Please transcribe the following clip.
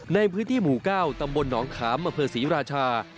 ในพื้นที่หมู่ก้าวตำบลนองคามอเผลศรีราชา